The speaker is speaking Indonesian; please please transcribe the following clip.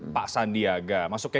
pak sandiaga masuknya